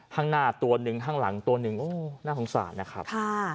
ข้างหน้าตัวหนึ่งข้างหลังตัวหนึ่งโอ้น่าสงสารนะครับ